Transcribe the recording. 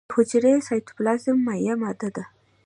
د حجرې سایتوپلازم مایع ماده ده